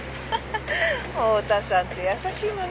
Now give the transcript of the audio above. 太田さんって優しいのね。